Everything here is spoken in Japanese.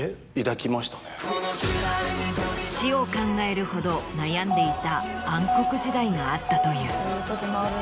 死を考えるほど悩んでいた暗黒時代があったという。